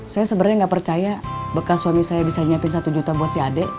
saya sebenarnya nggak percaya bekas suami saya bisa nyiapin satu juta buat si adik